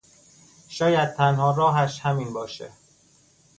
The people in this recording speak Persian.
شاید تنها راهش همین باشه.